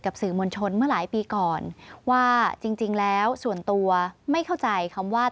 สื่อมวลชนเมื่อหลายปีก่อนว่าจริงแล้วส่วนตัวไม่เข้าใจคำว่า